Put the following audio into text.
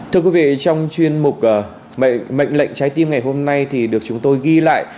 thưa quý vị trong chuyên mục mệnh lệnh trái tim ngày hôm nay thì được chúng tôi ghi lại